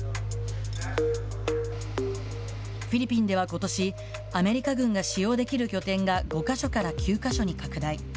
フィリピンではことし、アメリカ軍が使用できる拠点が、５か所から９か所に拡大。